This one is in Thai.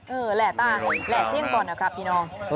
แหล่ตาแหล่เสียงก่อนนะครับพี่น้อง